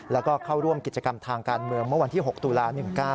แล้วก็เข้าร่วมกิจกรรมทางการเมืองเมื่อวันที่๖ตุลา๑๙